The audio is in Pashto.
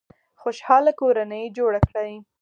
خوشحاله کورنۍ جوړه کړئ